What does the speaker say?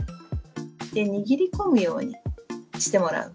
握り込むようにしてもらう。